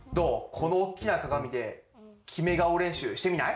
このおっきなかがみでキメがおれんしゅうしてみない？